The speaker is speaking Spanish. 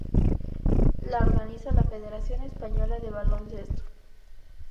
La organiza la Federación Española de Baloncesto.